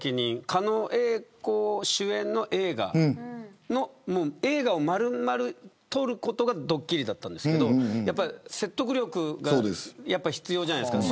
狩野英孝主演の映画の映画をまるまる撮ることがドッキリだったんですけれど説得力がやっぱり必要じゃないですか。